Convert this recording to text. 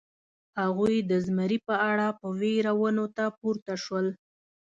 هغوی د زمري په اړه په وېره ونو ته پورته شول.